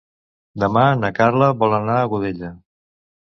Demà na Carla vol anar a Godella.